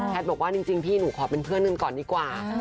แพทย์บอกว่าจริงพี่หนูขอเป็นเพื่อนหนึ่งก่อนดีกว่า